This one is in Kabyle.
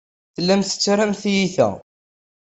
Tellamt tettarramt tiyita.